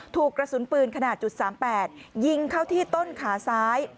ถูกกระสุนปืนขนาด๓๘ยิงเข้าที่ต้นขาซ้าย